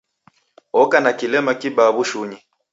Oka na kilema kibaa w'ushunyi.